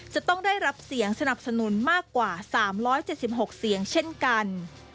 จะต้องได้รับเสียงสนับสนุนมากกว่า๓๗๖เสียงเช่นกัน